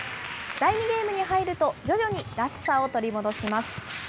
第２ゲームに入ると、徐々にらしさを取り戻します。